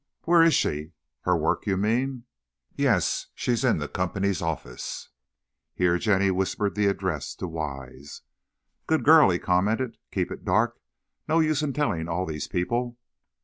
"Where is she?" "Her work, you mean?" "Yes; she's in the company's office, " Here Jenny whispered the address to Wise. "Good girl," he commented. "Keep it dark. No use in telling all these people!"